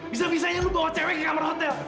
bisa bisanya lu bawa cewek ke kamar hotel